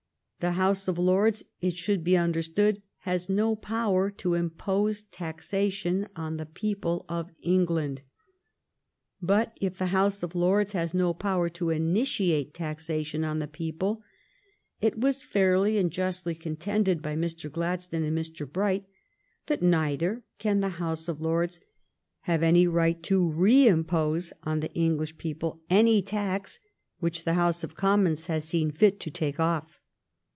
The House of Lords, it should be understood, has no power to impose taxation on the people of England. But if the House of Lords has no power to initiate taxation on the people, it was fairly and justly contended by Mr. Gladstone and Mr. Bright that neither can the House of Lords have any right to reimpose on the English people any tax which the House of Commons has seen fit to take off.